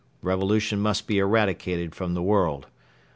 Revolution must be eradicated from the World.